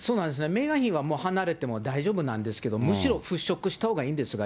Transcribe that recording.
メーガン妃はもう離れても大丈夫なんですけど、むしろ払拭したほうがいいんですが。